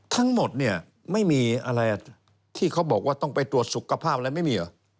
ทั้งหมดเนี่ยไม่มีอะไรที่เขาบอกว่าต้องไปตรวจสุขภาพอะไรไม่มีเหรอ